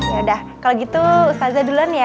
yaudah kalau gitu ustazah duluan ya